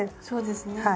そうですね。